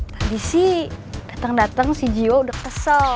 tadi sih dateng dateng si jiho udah kesel